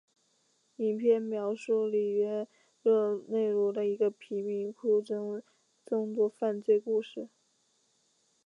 影片描述里约热内卢的一个贫民窟中的众多犯罪故事。